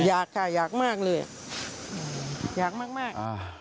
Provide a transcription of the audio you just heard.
อยากค่ะอยากมากเลยอยากมาก